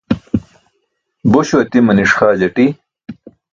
Bośo atimaniṣ xaa jati.